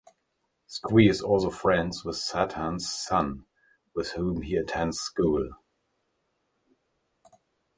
Squee is also friends with Satan's son, with whom he attends school.